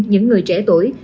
những người trẻ tuổi